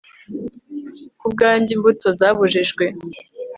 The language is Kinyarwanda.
Kubwanjye imbuto zabujijwe